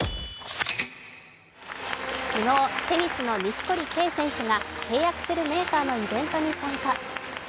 昨日、テニスの錦織圭選手が契約するメーカーのイベントに参加。